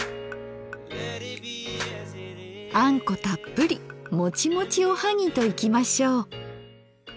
あんこたっぷりもちもちおはぎといきましょう。